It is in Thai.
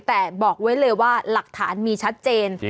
แต่บอกไว้เลยว่าหลักฐานมีชัดเจน